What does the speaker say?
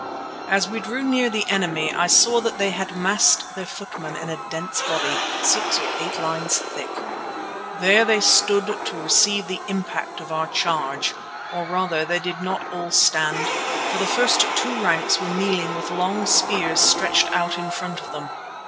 As we drew near the enemy I saw that they had massed their footmen in a dense body, six or eight lines thick. There they stood to receive the impact of our charge, or rather they did not all stand, for the first two ranks were kneeling with long spears stretched out in front of them.